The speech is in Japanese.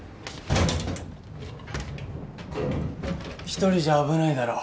一人じゃ危ないだろ。